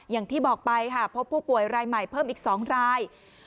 อย่างที่บอกไปค่ะพบผู้ป่วยรายใหม่เพิ่มอีก๒ราย